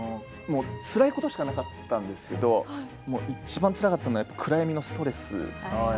つらいことしかなかったんですけど一番つらかったのはやっぱ暗闇のストレスですね。